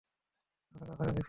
ওটা কাছাকাছি ছিল।